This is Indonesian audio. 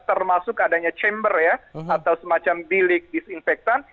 termasuk adanya chamber ya atau semacam bilik disinfektan